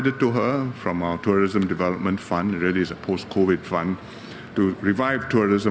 jadi terjadi perjanjian yang sangat berhasil